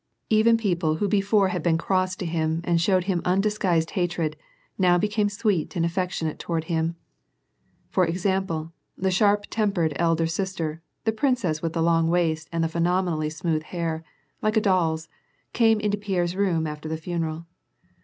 Even people who before had been cross to him and showed him undisguised hatred, now became sweet and affectionate toward him. For example, the sharp tempered elder sister, the princess with the long waist and the phenomenally smooth hair, like a doll's, came into Pierre's room after the funeral.